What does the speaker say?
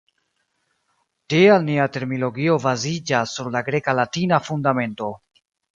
Tial nia terminologio baziĝas sur la greka-latina fundamento.